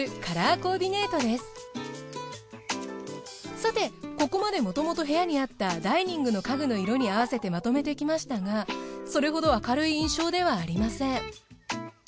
さてここまでもともと部屋にあったダイニングの家具の色に合わせてまとめてきましたがそれほど明るい印象ではありません。